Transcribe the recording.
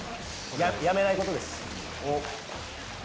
やめないことです。